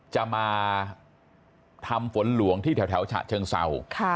จะมาทำฝนหลวงที่แถวฉะเชิงเศร้า